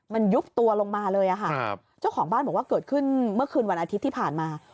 มันยุบตัวลงมาเลยค่ะเจ้าของบ้านบอกว่าเกิดขึ้นเมื่อคืนวันอาทิตย์ที่ผ่านมา